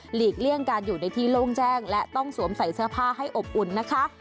เลี่ยงการอยู่ในที่โล่งแจ้งและต้องสวมใส่เสื้อผ้าให้อบอุ่นนะคะ